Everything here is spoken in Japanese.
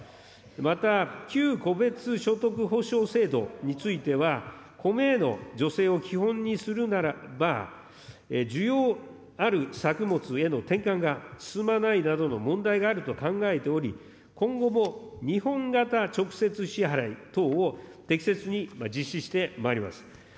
また旧戸別所得補償制度については、米への助成を基本にするならば、需要ある作物への転換が進まないなどの問題があると考えており、今後も日本型直接支払い等を適切に実施してまいります。